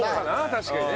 確かにね。